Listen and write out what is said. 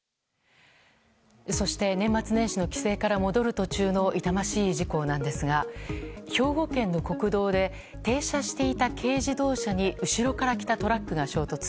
そして、年末年始の帰省から戻る途中の痛ましい事故なんですが兵庫県の国道で停車していた軽自動車に後ろから来たトラックが衝突。